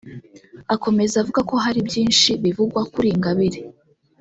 Akomeza avuga ko hari byinshi bivugwa kuri Ingabire